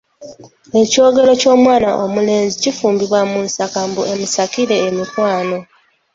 Ekyogero ky'omwana omulenzi kifumbibwa mu nsaka mbu emusakire emikwano.